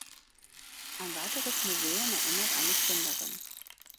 Ein weiteres Museum erinnert an die Gründerin.